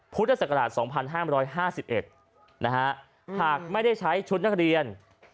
พุทธศักราช๒๕๕๑นะฮะหากไม่ได้ใช้ชุดนักเรียน